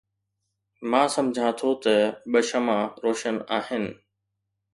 مان سمجهان ٿو ته ٻه شمع روشن آهن